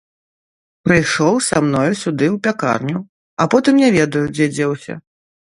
Прыйшоў са мною сюды ў пякарню, а потым не ведаю, дзе дзеўся!